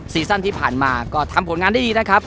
ซั่นที่ผ่านมาก็ทำผลงานได้ดีนะครับ